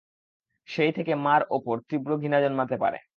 সেই থেকে মার ওপর তীব্র ঘৃণা জন্মাতে পারে।